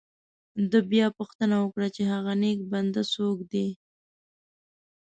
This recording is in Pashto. ده بیا پوښتنه وکړه چې هغه نیک بنده څوک دی.